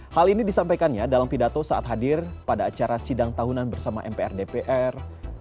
hal ini disampaikannya dalam pidato saat hadir pada acara sidang tahunan bersama mpr dpr dua ribu dua puluh tiga